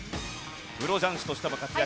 プロ雀士としても活躍